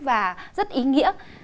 và rất ý nghĩa